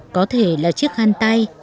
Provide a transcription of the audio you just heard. có thể là chiếc khăn tay